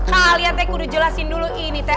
kalian teh kudu jelasin dulu ini teh